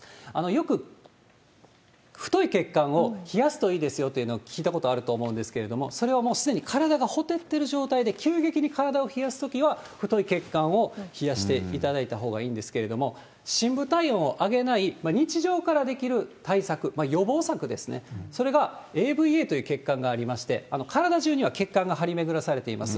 よく、太い血管を冷やすといいですよというのを聞いたことあると思うんですけれども、それはもうすでに体がほてってる状態で、急激に体を冷やすときは、太い血管を冷やしていただいたほうがいいんですけれども、深部体温を上げない、日常からできる対策、予防策ですね、それがＡＶＡという血管がありまして、体中には血管が張り巡らされています。